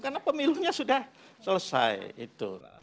karena pemilunya sudah selesai itu